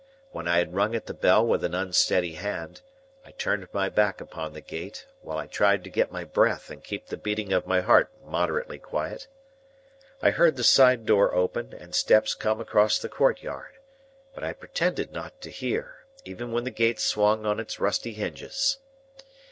When I had rung at the bell with an unsteady hand, I turned my back upon the gate, while I tried to get my breath and keep the beating of my heart moderately quiet. I heard the side door open, and steps come across the courtyard; but I pretended not to hear, even when the gate swung on its rusty hinges.